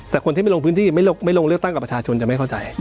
แต่คนที่ไม่ลงพื้นที่ไม่ลงเลือกตั้งกับประชาชนจะไม่เข้าใจ